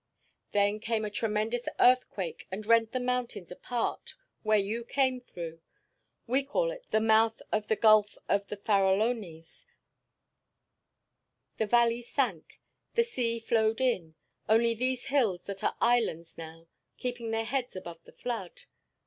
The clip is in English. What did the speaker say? Then came a tremendous earthquake and rent the mountains apart where you came through we call it the Mouth of the Gulf of the Farallones the valley sank, the sea flowed in, only these hills that are islands now keeping their heads above the flood.